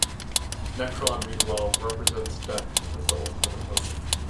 Nekron, meanwhile, represents Death as the Ultimate Opponent.